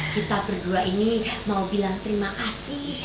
kita berdua ini mau bilang terima kasih